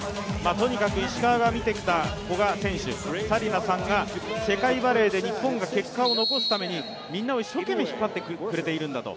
とにかく石川が見てきた古賀選手、紗理那さんが世界バレーで日本チームが結果を残すためにみんなを一生懸命引っ張ってくれているんだと。